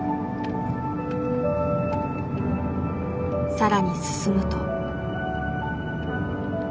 更に進むと。